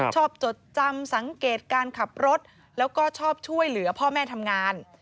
จดจำสังเกตการขับรถแล้วก็ชอบช่วยเหลือพ่อแม่ทำงาน